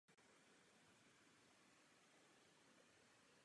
Mnozí trpí diskriminací a sociálním vyloučením.